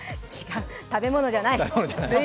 食べ物じゃない！